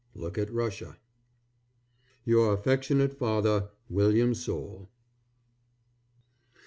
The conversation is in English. Look at Russia. Your affectionate father, WILLIAM SOULE.